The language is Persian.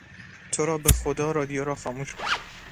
ترا به خدا رادیو را خاموش کن!